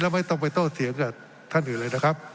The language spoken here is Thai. ไม่ต้องไปโต้เถียงกับท่านอื่นเลยนะครับ